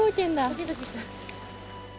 ドキドキした。